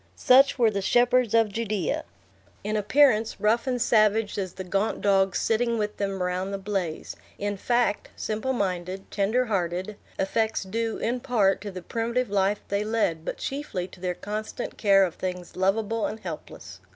Such were the shepherds of Judea! In appearance, rough and savage as the gaunt dogs sitting with them around the blaze; in fact, simple minded, tender hearted; effects due, in part, to the primitive life they led, but chiefly to their constant care of things lovable and helpless.